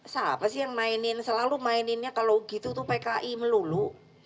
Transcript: siapa sih yang mainin selalu maininnya kalau gitu tuh pki melulu